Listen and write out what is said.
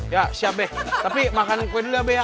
ya siap be tapi makan kue dulu ya be ya